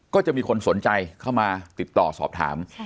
ก็จะมีคนสนใจเข้ามาติดต่อสอบถาม